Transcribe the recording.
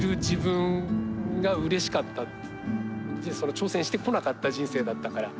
挑戦してこなかった人生だったから。